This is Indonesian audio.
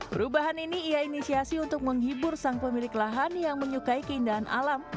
perubahan ini ia inisiasi untuk menghibur sang pemilik lahan yang menyukai keindahan alam